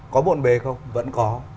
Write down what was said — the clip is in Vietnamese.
có muộn bề không vẫn có